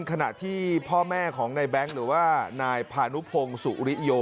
ขณะที่พ่อแม่ของในแบงค์หรือว่านายพานุพงศุริโย